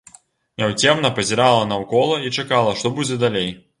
Няўцямна пазірала наўкола і чакала, што будзе далей.